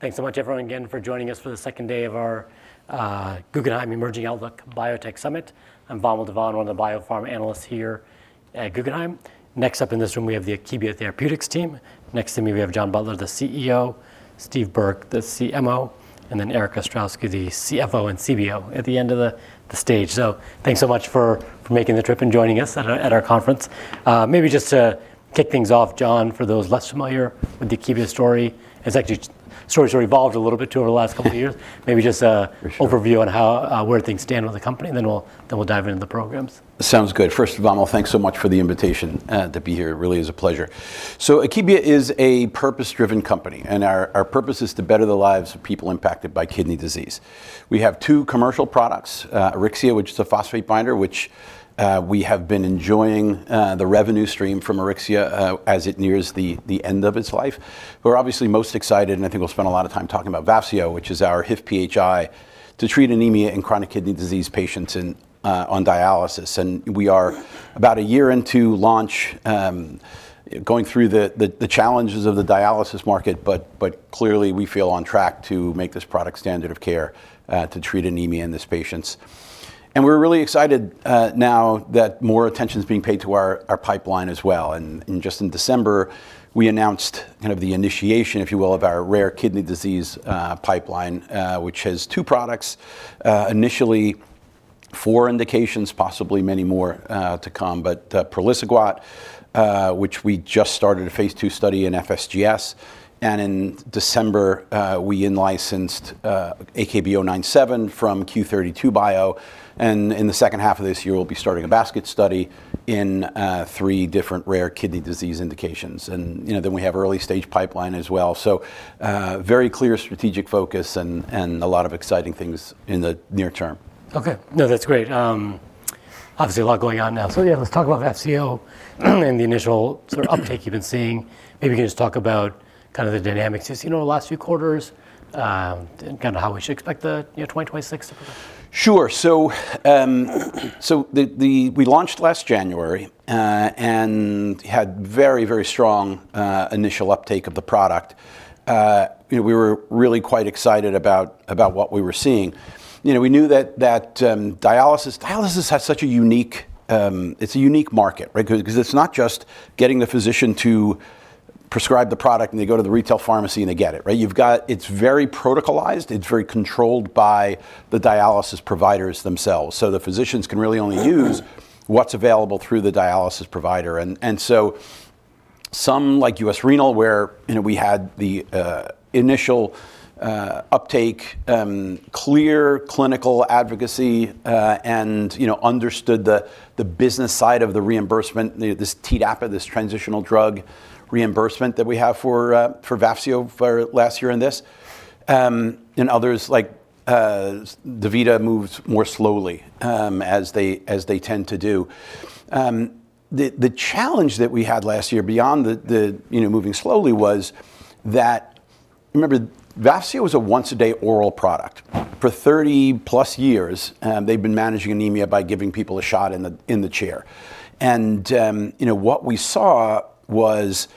Thanks so much, everyone, again, for joining us for the second day of our Guggenheim Emerging Outlook Biotech Summit. I'm Vamil Divan, one of the Biopharm Analyst here at Guggenheim. Next up in this room, we have the Akebia Therapeutics team. Next to me, we have John Butler, the CEO; Steve Burke, the CMO; and then Erik Ostrowski, the CFO and CBO at the end of the stage. So thanks so much for making the trip and joining us at our conference. Maybe just to kick things off, John, for those less familiar with the Akebia story, as actually stories have evolved a little bit, too, over the last couple of years. For sure. Maybe just an overview on how, where things stand with the company, and then we'll dive into the programs. Sounds good. First of all, Vamil, thanks so much for the invitation to be here. It really is a pleasure. So Akebia is a purpose-driven company, and our purpose is to better the lives of people impacted by kidney disease. We have two commercial products, AURYXIA, which is a phosphate binder, which we have been enjoying the revenue stream from AURYXIA, as it nears the end of its life. We're obviously most excited, and I think we'll spend a lot of time talking about VAFSEO, which is our HIF-PHI, to treat anemia in chronic kidney disease patients on dialysis. And we are about a year into launch, going through the challenges of the dialysis market, but clearly, we feel on track to make this product standard of care to treat anemia in these patients. We're really excited, now that more attention is being paid to our, our pipeline as well, and, and just in December, we announced kind of the initiation, if you will, of our rare kidney disease pipeline, which has two products, initially four indications, possibly many more, to come. But, praliciguat, which we just started a phase II study in FSGS, and in December, we in-licensed, AKB-097 from Q32 Bio, and in the second half of this year, we'll be starting a basket study in, three different rare kidney disease indications. And, you know, then we have early-stage pipeline as well. So, very clear strategic focus and, and a lot of exciting things in the near term. Okay. No, that's great. Obviously, a lot going on now. So yeah, let's talk about VAFSEO and the initial sort of- Sure... uptake you've been seeing. Maybe you can just talk about kind of the dynamics, as you know, the last few quarters, and kinda how we should expect the, you know, 2026 to go. Sure. So, we launched last January and had very, very strong initial uptake of the product. You know, we were really quite excited about what we were seeing. You know, we knew that dialysis has such a unique, it's a unique market, right? 'Cause it's not just getting the physician to prescribe the product, and they go to the retail pharmacy, and they get it, right? It's very protocolized. It's very controlled by the dialysis providers themselves. So the physicians can really only use what's available through the dialysis provider, and so some, like U.S. Renal, where, you know, we had the initial uptake, clear clinical advocacy, and, you know, understood the business side of the reimbursement, this TDAPA, this transitional drug reimbursement that we have for VAFSEO for last year and this. And others, like, DaVita moves more slowly, as they tend to do. The challenge that we had last year beyond the, you know, moving slowly, was that... Remember, VAFSEO was a once-a-day oral product. For 30+ years, they've been managing anemia by giving people a shot in the chair, and you know, what we saw was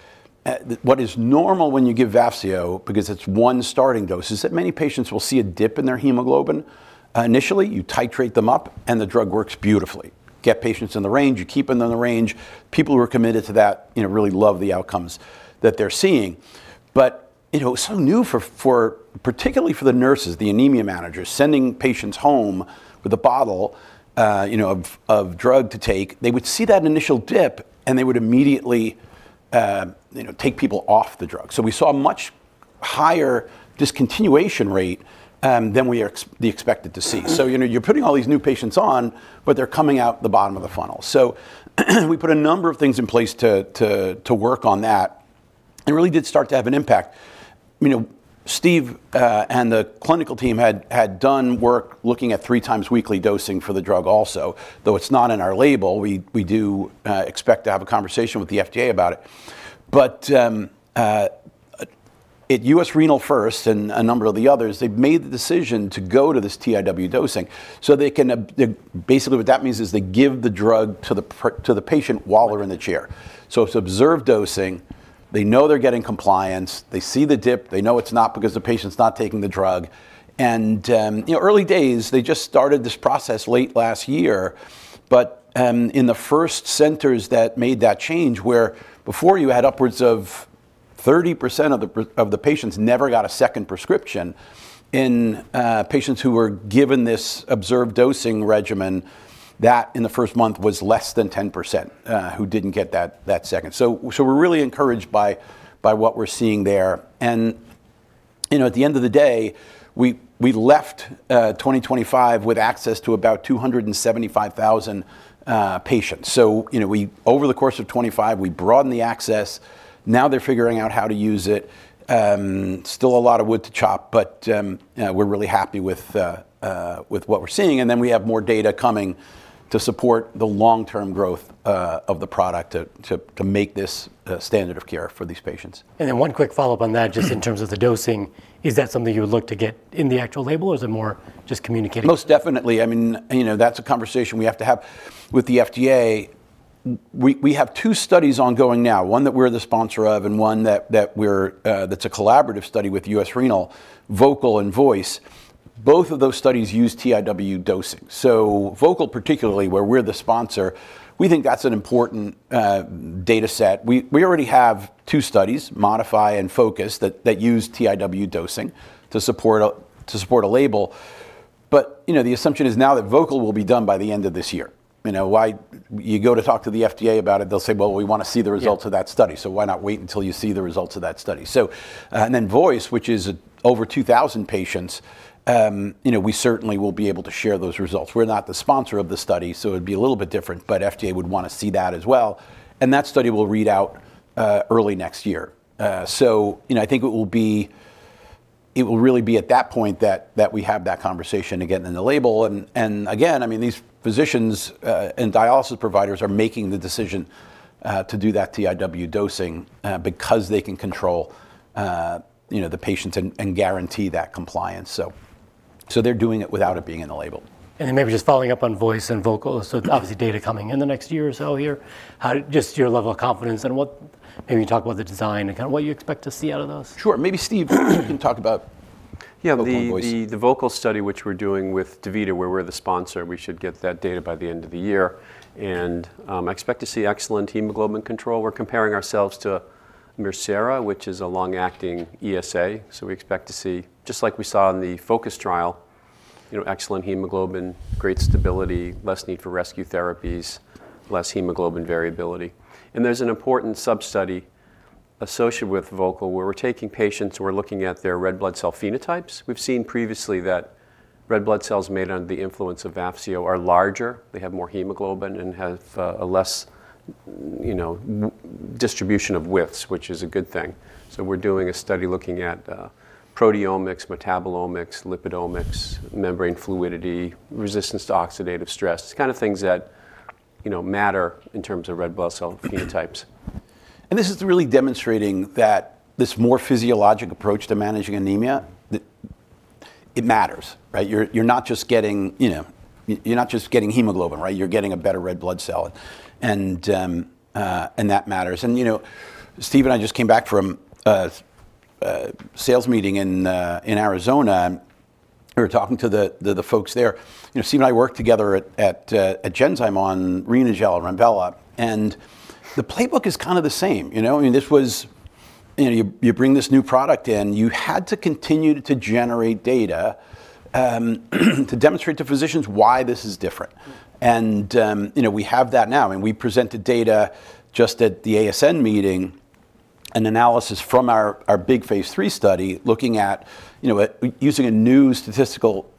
what is normal when you give VAFSEO, because it's one starting dose, is that many patients will see a dip in their hemoglobin. Initially, you titrate them up, and the drug works beautifully. Get patients in the range, you keep them in the range. People who are committed to that, you know, really love the outcomes that they're seeing. But you know, it was so new for particularly for the nurses, the anemia managers, sending patients home with a bottle of drug to take. They would see that initial dip, and they would immediately take people off the drug. So we saw a much higher discontinuation rate than we expected to see. Mm-hmm. So, you know, you're putting all these new patients on, but they're coming out the bottom of the funnel. So we put a number of things in place to work on that. It really did start to have an impact. You know, Steve and the clinical team had done work looking at three times weekly dosing for the drug also. Though it's not in our label, we do expect to have a conversation with the FDA about it. But at U.S. Renal first and a number of the others, they've made the decision to go to this TIW dosing, so they can basically, what that means is, they give the drug to the patient while they're in the chair. So it's observed dosing. They know they're getting compliance. They see the dip. They know it's not because the patient's not taking the drug. And, you know, early days, they just started this process late last year, but in the first centers that made that change, where before you had upwards of 30% of the patients never got a second prescription, in patients who were given this observed dosing regimen, that in the first month was less than 10% who didn't get that second. So we're really encouraged by what we're seeing there. And, you know, at the end of the day, we left 2025 with access to about 275,000 patients. So, you know, over the course of 2025, we broadened the access. Now, they're figuring out how to use it. Still a lot of wood to chop, but we're really happy with what we're seeing, and then we have more data coming to support the long-term growth of the product to make this a standard of care for these patients. And then one quick follow-up on that, just in terms of the dosing. Is that something you would look to get in the actual label, or is it more just communicating? Most definitely. I mean, you know, that's a conversation we have to have with the FDA. We have two studies ongoing now, one that we're the sponsor of, and one that we're, that's a collaborative study with U.S. Renal, VOCAL and VOICE. Both of those studies use TIW dosing. So VOCAL, particularly, where we're the sponsor, we think that's an important data set. We already have two studies, MODIFY and FOCUS, that use TIW dosing to support a label, but, you know, the assumption is now that VOCAL will be done by the end of this year. You know, you go to talk to the FDA about it, they'll say, "Well, we want to see the results of that study. Yeah. So why not wait until you see the results of that study?" So, and then VOICE, which is over 2,000 patients, you know, we certainly will be able to share those results. We're not the sponsor of the study, so it'd be a little bit different, but FDA would want to see that as well, and that study will read out, early next year. So, you know, I think it will be... it will really be at that point that, that we have that conversation again in the label. And, and again, I mean, these physicians, and dialysis providers are making the decision, to do that TIW dosing, because they can control, you know, the patients and, and guarantee that compliance. So, so they're doing it without it being in the label. Then maybe just following up on VOICE and VOCAL, so obviously, data coming in the next year or so here, how—just your level of confidence and what... maybe you talk about the design and kind of what you expect to see out of those? Sure. Maybe Steve, you can talk about VOCAL and VOICE. Yeah, the VOCAL study, which we're doing with DaVita, where we're the sponsor, we should get that data by the end of the year. I expect to see excellent hemoglobin control. We're comparing ourselves to Mircera, which is a long-acting ESA, so we expect to see, just like we saw in the FOCUS trial, you know, excellent hemoglobin, great stability, less need for rescue therapies, less hemoglobin variability. There's an important sub-study associated with VOCAL, where we're taking patients who are looking at their red blood cell phenotypes. We've seen previously that red blood cells made under the influence of VAFSEO are larger, they have more hemoglobin and have a less, you know, wide distribution of widths, which is a good thing. We're doing a study looking at proteomics, metabolomics, lipidomics, membrane fluidity, resistance to oxidative stress, the kind of things that, you know, matter in terms of red blood cell phenotypes. This is really demonstrating that this more physiologic approach to managing anemia, that it matters, right? You're not just getting, you know, you're not just getting hemoglobin, right? You're getting a better red blood cell, and that matters. You know, Steve and I just came back from a sales meeting in Arizona. We were talking to the folks there. You know, Steve and I worked together at Genzyme on Renagel and Renvela, and the playbook is kind of the same, you know? I mean, this was... you know, you bring this new product in, you had to continue to generate data to demonstrate to physicians why this is different. You know, we have that now, and we presented data just at the ASN meeting, an analysis from our big phase III study, looking at, you know, using a new statistical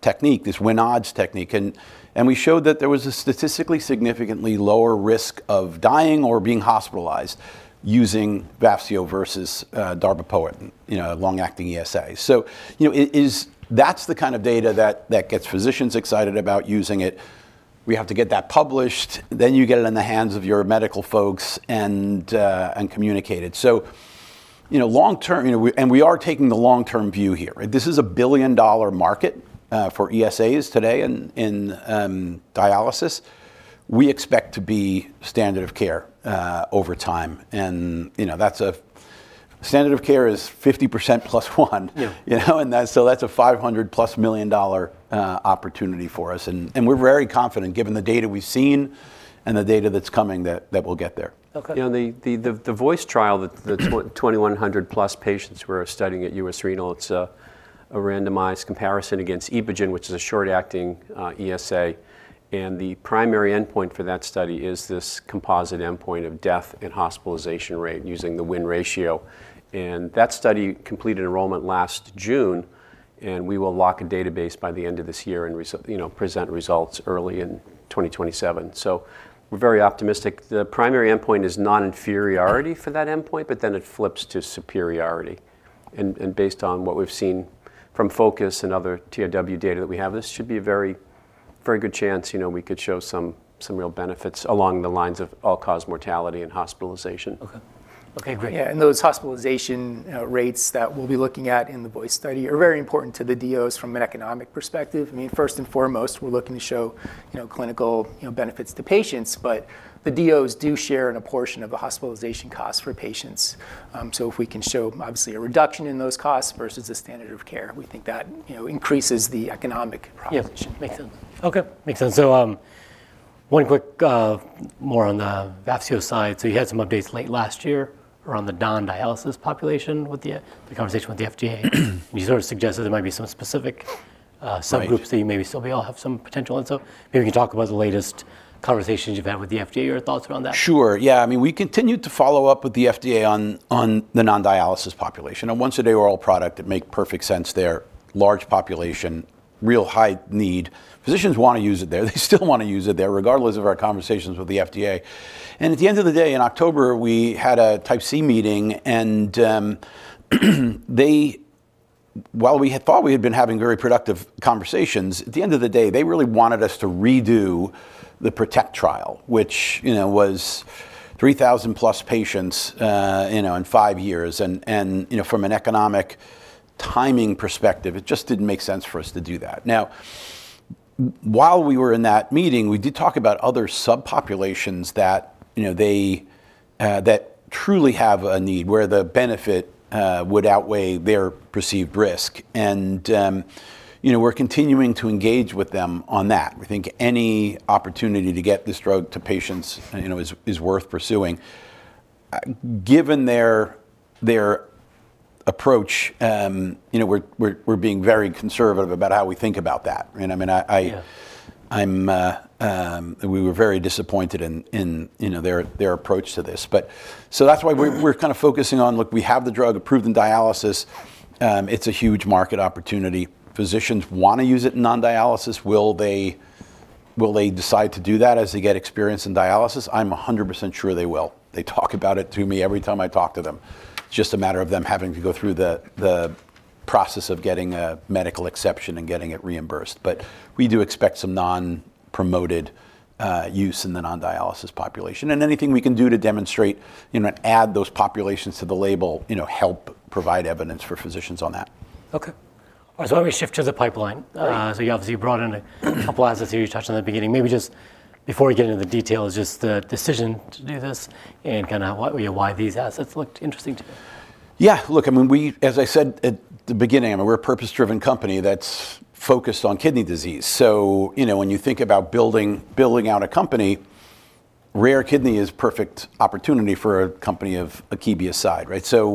technique, this win odds technique, and we showed that there was a statistically significantly lower risk of dying or being hospitalized using VAFSEO versus darbepoetin, you know, a long-acting ESA. So, you know, it is. That's the kind of data that gets physicians excited about using it. We have to get that published, then you get it in the hands of your medical folks and communicate it. So, you know, long term, you know, and we are taking the long-term view here. This is a billion-dollar market for ESAs today in dialysis. We expect to be standard of care over time, and, you know, that's a standard of care is 50% plus one. Yeah. You know, and that's, so that's a $500+ million opportunity for us. And, and we're very confident, given the data we've seen and the data that's coming, that, that we'll get there. Okay. You know, the VOICE trial, the 2,100+ patients we're studying at U.S. Renal Care, it's a randomized comparison against Epogen, which is a short-acting ESA, and the primary endpoint for that study is this composite endpoint of death and hospitalization rate using the win ratio. And that study completed enrollment last June, and we will lock a database by the end of this year and you know, present results early in 2027. So we're very optimistic. The primary endpoint is non-inferiority for that endpoint, but then it flips to superiority. And, and based on what we've seen from FOCUS and other TIW data that we have, this should be a very, very good chance, you know, we could show some, some real benefits along the lines of all-cause mortality and hospitalization. Okay. Okay, great. Yeah, and those hospitalization rates that we'll be looking at in the VOICE study are very important to the DOs from an economic perspective. I mean, first and foremost, we're looking to show, you know, clinical, you know, benefits to patients, but the DOs do share in a portion of the hospitalization costs for patients. So if we can show obviously a reduction in those costs versus the standard of care, we think that, you know, increases the economic proposition. Yeah, makes sense. Okay, makes sense. So, one quick, more on the VAFSEO side. So you had some updates late last year around the non-dialysis population with the conversation with the FDA. You sort of suggested there might be some specific, Right... subgroups that you maybe still may all have some potential, and so maybe you can talk about the latest conversations you've had with the FDA, your thoughts around that. Sure. Yeah, I mean, we continued to follow up with the FDA on, on the non-dialysis population. A once a day oral product, it make perfect sense there. Large population, real high need. Physicians want to use it there. They still want to use it there, regardless of our conversations with the FDA. And at the end of the day, in October, we had a Type C meeting, and they... while we had thought we had been having very productive conversations, at the end of the day, they really wanted us to redo the PROTECT trial, which, you know, was 3,000+ patients, you know, in 5 years. And, and, you know, from an economic, timing perspective, it just didn't make sense for us to do that. Now, while we were in that meeting, we did talk about other subpopulations that, you know, that truly have a need, where the benefit would outweigh their perceived risk. And, you know, we're continuing to engage with them on that. We think any opportunity to get this drug to patients, you know, is worth pursuing. Given their approach, you know, we're being very conservative about how we think about that, right? I mean, I- Yeah. We were very disappointed in, you know, their approach to this. But so that's why we're kind of focusing on, look, we have the drug approved in dialysis. It's a huge market opportunity. Physicians want to use it in non-dialysis. Will they decide to do that as they get experience in dialysis? I'm 100% sure they will. They talk about it to me every time I talk to them. It's just a matter of them having to go through the process of getting a medical exception and getting it reimbursed. But we do expect some non-promoted use in the non-dialysis population, and anything we can do to demonstrate, you know, and add those populations to the label, you know, help provide evidence for physicians on that. Okay. All right, so why don't we shift to the pipeline? All right. So you obviously brought in a couple assets here you touched on in the beginning. Maybe just before we get into the details, just the decision to do this and kind of why, you know, why these assets looked interesting to you? Yeah, look, I mean, we, as I said at the beginning, I mean, we're a purpose-driven company that's focused on kidney disease. So, you know, when you think about building out a company, rare kidney is perfect opportunity for a company of Akebia's size, right? So,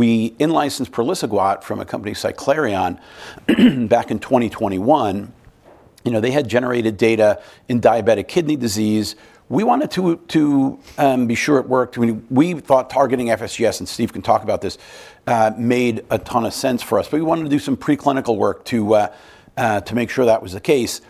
we in-licensed praliciguat from a company, Cyclerion, back in 2021. You know, they had generated data in diabetic kidney disease. We wanted to be sure it worked. We thought targeting FSGS, and Steve can talk about this, made a ton of sense for us. But we wanted to do some preclinical work to make sure that was the case.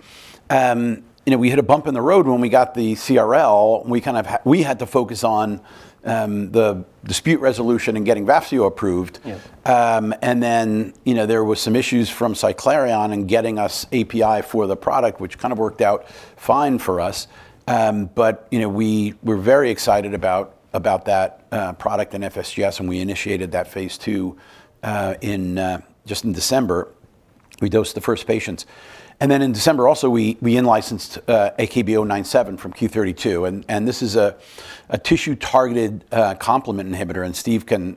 You know, we hit a bump in the road when we got the CRL. We kind of had to focus on the dispute resolution and getting VAFSEO approved. Yeah. And then, you know, there were some issues from Cyclerion in getting us API for the product, which kind of worked out fine for us. But, you know, we were very excited about that product and FSGS, and we initiated that phase II in just in December, we dosed the first patients. And then in December also we in-licensed AKB-097 from Q32, and this is a tissue-targeted complement inhibitor, and Steve can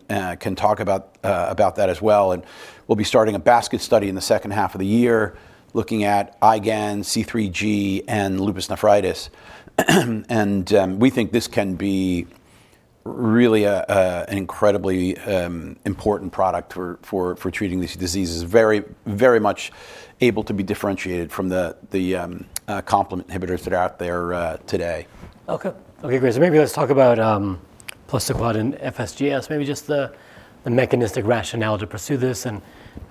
talk about that as well. And we'll be starting a basket study in the second half of the year, looking at IgAN, C3G, and lupus nephritis. And we think this can be really an incredibly important product for treating these diseases. Very, very much able to be differentiated from the complement inhibitors that are out there today. Okay. Okay, great. So maybe let's talk about praliciguat and FSGS. Maybe just the mechanistic rationale to pursue this, and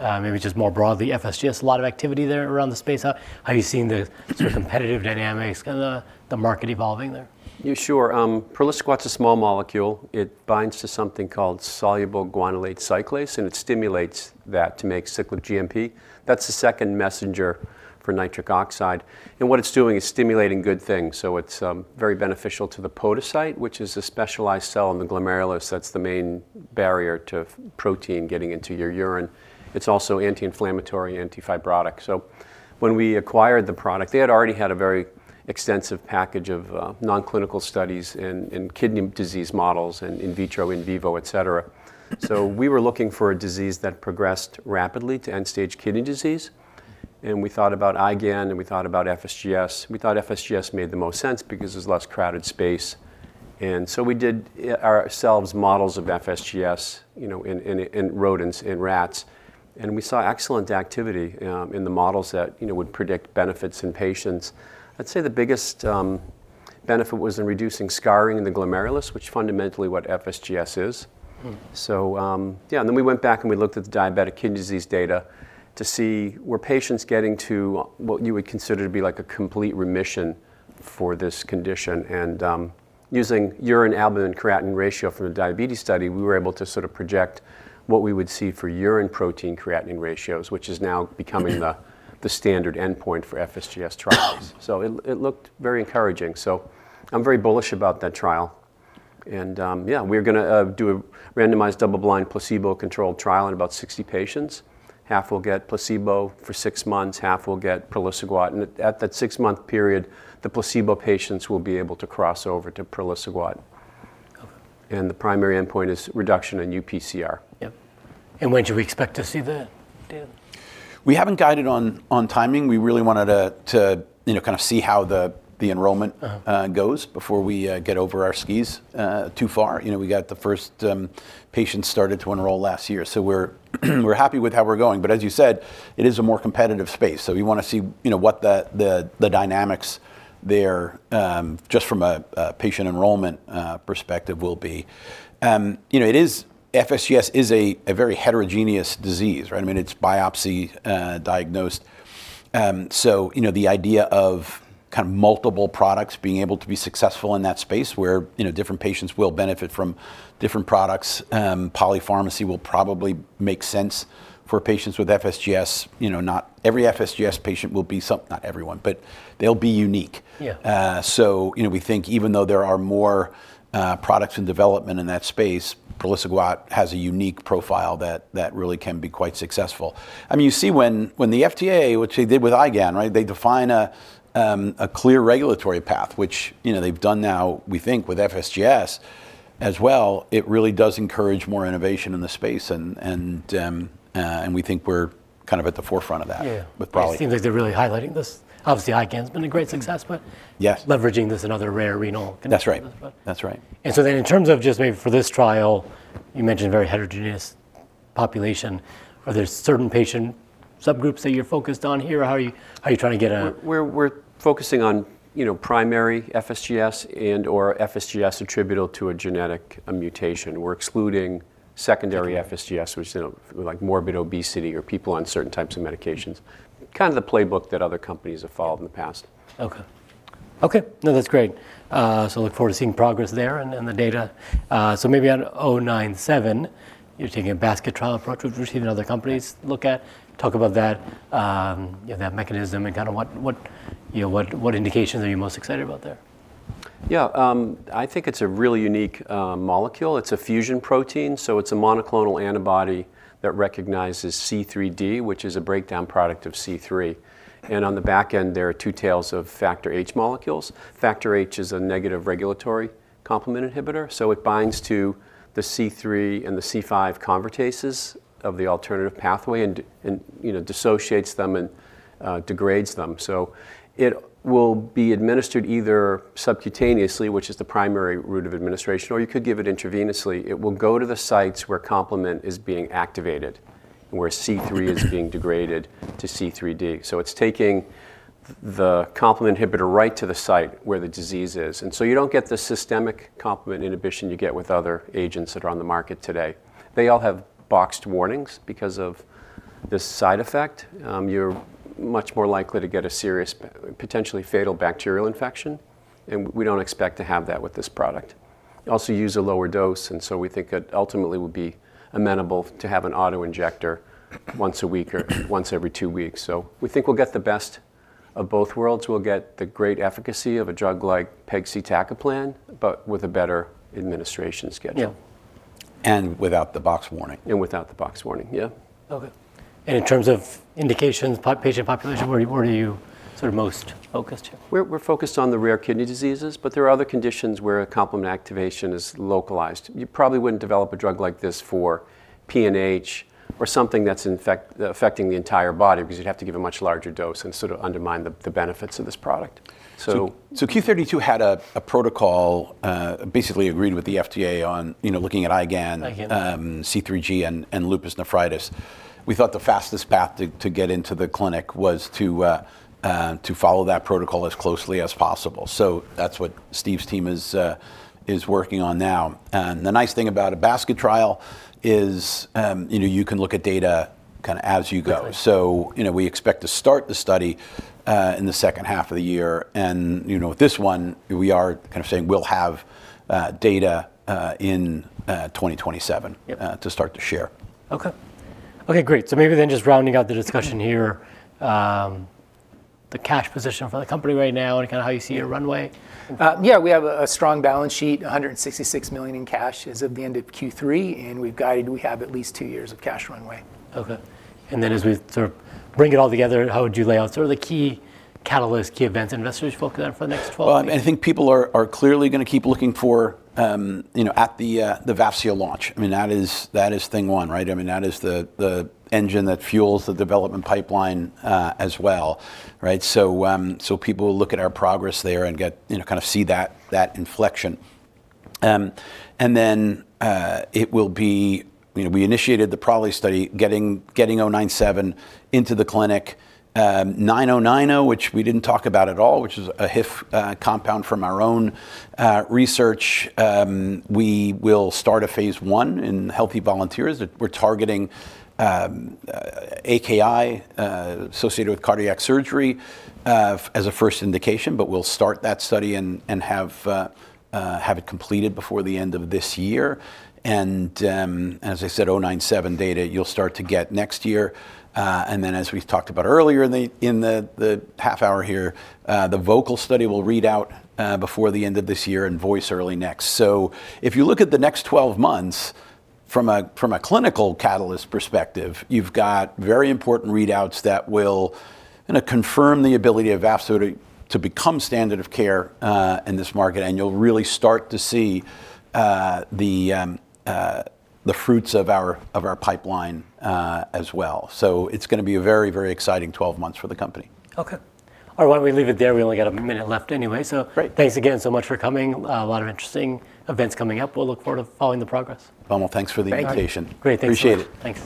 maybe just more broadly, FSGS, a lot of activity there around the space. How have you seen the sort of competitive dynamics, kind of the market evolving there? Yeah, sure. Praliciguat's a small molecule. It binds to something called soluble guanylate cyclase, and it stimulates that to make cyclic GMP. That's the second messenger for nitric oxide, and what it's doing is stimulating good things. So it's very beneficial to the podocyte, which is a specialized cell in the glomerulus that's the main barrier to protein getting into your urine. It's also anti-inflammatory and antifibrotic. So when we acquired the product, they had already had a very extensive package of non-clinical studies in kidney disease models and in vitro, in vivo, et cetera. So we were looking for a disease that progressed rapidly to end-stage kidney disease, and we thought about IgAN, and we thought about FSGS. We thought FSGS made the most sense because there's less crowded space, and so we did ourselves models of FSGS, you know, in rodents, in rats, and we saw excellent activity in the models that, you know, would predict benefits in patients. I'd say the biggest benefit was in reducing scarring in the glomerulus, which fundamentally what FSGS is. Mm-hmm. So, yeah, and then we went back and we looked at the diabetic kidney disease data to see were patients getting to what you would consider to be like a complete remission for this condition. And, using urine albumin-creatinine ratio from the diabetes study, we were able to sort of project what we would see for urine protein-creatinine ratios, which is now becoming the standard endpoint for FSGS trials. So it looked very encouraging. So I'm very bullish about that trial. And, yeah, we're gonna do a randomized, double-blind, placebo-controlled trial in about 60 patients. Half will get placebo for six months, half will get praliciguat, and at that six-month period, the placebo patients will be able to cross over to praliciguat. Okay. The primary endpoint is reduction in UPCR. Yep. And when do we expect to see the data? We haven't guided on timing. We really wanted to, you know, kind of see how the enrollment- Uh-huh... goes before we get over our skis too far. You know, we got the first patients started to enroll last year, so we're, we're happy with how we're going. But as you said, it is a more competitive space, so we wanna see, you know, what the dynamics there just from a patient enrollment perspective will be. You know, it is FSGS is a very heterogeneous disease, right? I mean, it's biopsy diagnosed. So, you know, the idea of kind of multiple products being able to be successful in that space, where, you know, different patients will benefit from different products. Polypharmacy will probably make sense for patients with FSGS. You know, not every FSGS patient will be not everyone, but they'll be unique. Yeah. So, you know, we think even though there are more products in development in that space, praliciguat has a unique profile that really can be quite successful. I mean, you see when the FDA, which they did with IgAN, right? They define a clear regulatory path, which, you know, they've done now, we think, with FSGS as well. It really does encourage more innovation in the space and we think we're kind of at the forefront of that. Yeah -with poly. It seems like they're really highlighting this. Obviously, IgAN's been a great success, but- Yes... leveraging this, another rare renal- That's right. But- That's right. In terms of just maybe for this trial, you mentioned a very heterogeneous population. Are there certain patient subgroups that you're focused on here, or how are you trying to get a- We're focusing on, you know, primary FSGS and/or FSGS attributable to a genetic mutation. We're excluding secondary FSGS- Okay... which, you know, like morbid obesity or people on certain types of medications. Kind of the playbook that other companies have followed in the past. Okay. Okay, no, that's great. So look forward to seeing progress there and, and the data. So maybe on 097, you're taking a basket trial approach, which we've seen other companies- Yeah... look at. Talk about that, yeah, that mechanism and kinda what, what, you know, what, what indications are you most excited about there? Yeah, I think it's a really unique molecule. It's a fusion protein, so it's a monoclonal antibody that recognizes C3d, which is a breakdown product of C3. And on the back end, there are two tails of Factor H molecules. Factor H is a negative regulatory complement inhibitor, so it binds to the C3 and the C5 convertases of the alternative pathway, and you know, dissociates them and degrades them. So it will be administered either subcutaneously, which is the primary route of administration, or you could give it intravenously. It will go to the sites where complement is being activated, where C3 is being degraded to C3d. So it's taking the complement inhibitor right to the site where the disease is. And so you don't get the systemic complement inhibition you get with other agents that are on the market today. They all have boxed warnings because of this side effect. You're much more likely to get a serious, potentially fatal bacterial infection, and we don't expect to have that with this product. Also use a lower dose, and so we think it ultimately would be amenable to have an auto-injector once a week or once every two weeks. So we think we'll get the best of both worlds. We'll get the great efficacy of a drug like pegcetacoplan, but with a better administration schedule. Yeah. Without the box warning. Without the box warning. Yeah. Okay. In terms of indications, patient population, where are you sort of most focused here? We're focused on the rare kidney diseases, but there are other conditions where a complement activation is localized. You probably wouldn't develop a drug like this for PNH or something that's affecting the entire body, because you'd have to give a much larger dose and sort of undermine the benefits of this product. So- So Q32 had a protocol basically agreed with the FDA on, you know, looking at IgAN- IgAN. C3G and lupus nephritis. We thought the fastest path to get into the clinic was to follow that protocol as closely as possible. So that's what Steve's team is working on now. And the nice thing about a basket trial is, you know, you can look at data kinda as you go. Okay. So, you know, we expect to start the study in the second half of the year, and, you know, with this one, we are kind of saying we'll have data in 2027- Yep... to start to share. Okay. Okay, great. So maybe then just rounding out the discussion here. The cash position for the company right now, and kinda how you see your runway? Yeah, we have a strong balance sheet. $166 million in cash as of the end of Q3, and we've guided, we have at least two years of cash runway. Okay, and then as we sort of bring it all together, how would you lay out sort of the key catalysts, key events investors should focus on for the next 12 months? Well, I think people are clearly gonna keep looking for, you know, at the VAFSEO launch. I mean, that is thing one, right? I mean, that is the engine that fuels the development pipeline, as well, right? So, people will look at our progress there and get... you know, kind of see that inflection. And then, you know, we initiated the Praliciguat study, getting AKB-097 into the clinic. AKB-9090, which we didn't talk about at all, which is a HIF compound from our own research. We will start a phase I in healthy volunteers. We're targeting AKI associated with cardiac surgery as a first indication, but we'll start that study and have it completed before the end of this year. As I said, AKB-097 data, you'll start to get next year. And then, as we've talked about earlier in the half hour here, the VOCAL study will read out before the end of this year and VOICE, early next. So if you look at the next 12 months from a clinical catalyst perspective, you've got very important readouts that will kinda confirm the ability of Vafseo to become standard of care in this market, and you'll really start to see the fruits of our pipeline as well. It's gonna be a very, very exciting 12 months for the company. Okay. All right, why don't we leave it there? We only got a minute left anyway, so- Great. Thanks again so much for coming. A lot of interesting events coming up. We'll look forward to following the progress. Vamil, thanks for the invitation. Thank you. Great. Thanks so much. Appreciate it. Thanks.